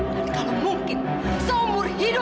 dan kalau mungkin seumur hidup